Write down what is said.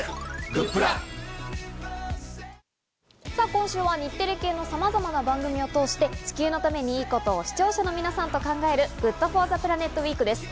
今週は日テレ系のさまざまな番組を通して地球のためにいいことを視聴者の皆さんと考えるＧｏｏｄＦｏｒｔｈｅＰｌａｎｅｔウィークです。